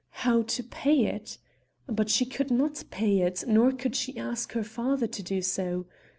How to pay it but she could not pay it, nor could she ask her father to do so.